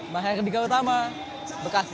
mahal di kaotama bekasi